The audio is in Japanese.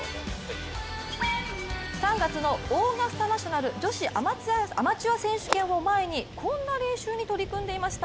３月のオーガスタ・ナショナル女子アマチュア選手権を前にこんな練習に取り組んでいました。